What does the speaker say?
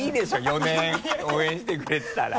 ４年応援してくれてたら。